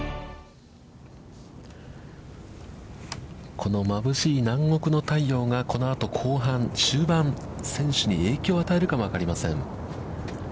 このまぶしい南国の太陽がこのあと後半、終盤、選手に影響を与えるかもしれません。